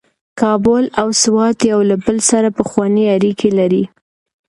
کابل او سوات یو له بل سره پخوانۍ اړیکې لري.